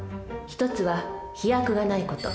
１つは飛躍がないこと。